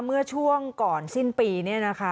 เมื่อช่วงก่อนสิ้นปีเนี่ยนะคะ